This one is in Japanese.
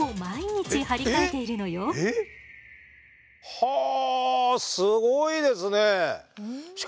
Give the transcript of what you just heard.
しかもはあすごいですね。